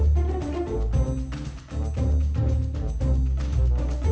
เพื่อนรับทราบ